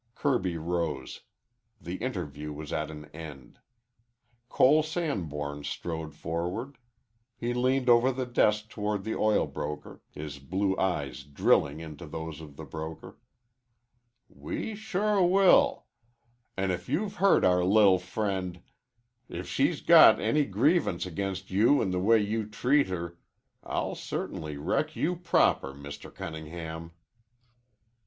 Kirby rose. The interview was at an end. Cole Sanborn strode forward. He leaned over the desk toward the oil broker, his blue eyes drilling into those of the broker. "We sure will, an' if you've hurt our li'l' friend if she's got any grievance against you an' the way you treat her I'll certainly wreck you proper, Mr. Cunningham."